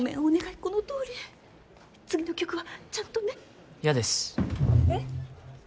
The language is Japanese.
このとおり次の曲はちゃんとね嫌ですえっ？